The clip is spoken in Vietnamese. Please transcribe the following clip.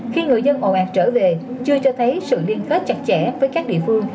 khi người dân ồ ạt trở về chưa cho thấy sự liên kết chặt chẽ với các địa phương